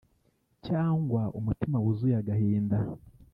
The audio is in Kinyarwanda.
cyangwa umutima wuzuye agahinda